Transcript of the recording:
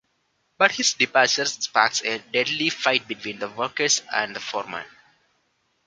But his departure sparks a deadly fight between the workers and the foreman.